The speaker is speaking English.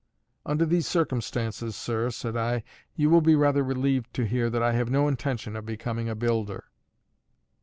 "Under these circumstances, sir," said I, "you will be rather relieved to hear that I have no intention of becoming a builder."